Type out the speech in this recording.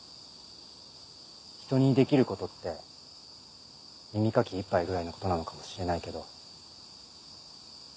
人にできることって耳かき１杯ぐらいのことなのかもしれないけど。